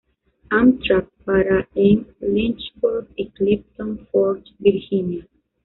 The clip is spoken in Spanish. Amtrak para en Lynchburg y Clifton Forge, Virginia.